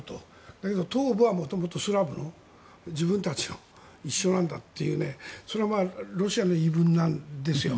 だけど東部は元々スラブの自分たちと一緒なんだというそれがロシアの言い分なんですよ。